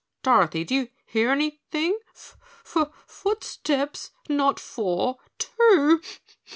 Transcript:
Dorothy, do you hear anything? F f footsteps not four, TWO.